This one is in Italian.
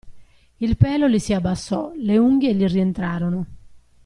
Il pelo gli si abbassò, le unghie gli rientrarono.